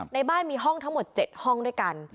ในบ้านมีห้องทั้งหมด๗ห้องด้วยกัน